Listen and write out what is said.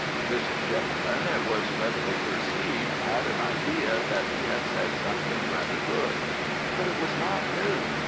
This gentleman, it was readily perceived, had an idea that he had said something rather good. But it was not new.